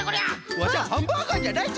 ワシはハンバーガーじゃないぞ！